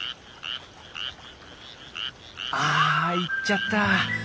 あ行っちゃった。